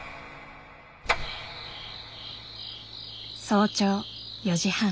早朝４時半。